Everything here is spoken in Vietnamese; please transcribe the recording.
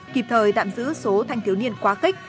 kịp thời tạm giữ số thanh thiếu niên quá kích